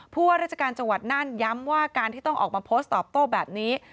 ว่าราชการจังหวัดน่านย้ำว่าการที่ต้องออกมาโพสต์ตอบโต้แบบนี้